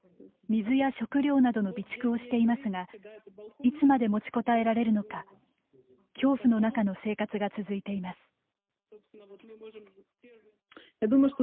水や食料などの備蓄をしていますがいつまで持ちこたえられるのか恐怖の中の生活が続いています。